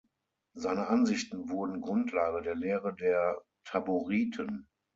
Seine Ansichten wurden Grundlage der Lehre der Taboriten.